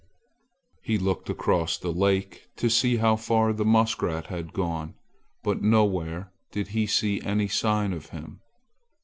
He looked across the lake to see how far the muskrat had gone, but nowhere did he see any sign of him.